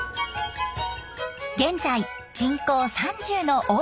現在人口３０の奥武島。